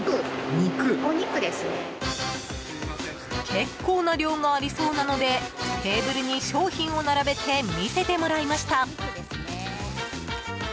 結構な量がありそうなのでテーブルに商品を並べて見せてもらいました。